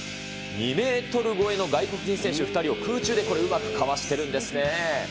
２メートル超えの外国人選手２人を空中でうまくかわしてるんですね。